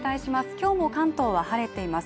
今日も関東は晴れています